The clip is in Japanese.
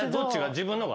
自分のが？